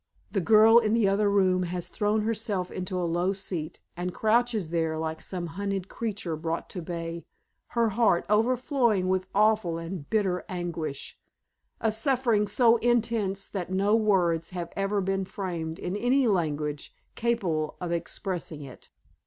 The girl in the other room has thrown herself into a low seat, and crouches there like some hunted creature brought to bay, her heart overflowing with awful and bitter anguish a suffering so intense that no words have ever been framed in any language capable of expressing it.